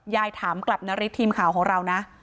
ยายถามกลับนาริสทีมข่าวของเรานะ